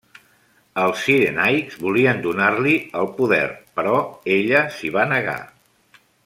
Els cirenaics volien donar-li el poder però ella s'hi va negar.